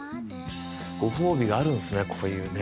ご褒美があるんですねこういうね。